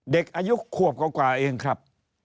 เด็กอายุขวบกว่าเองครับ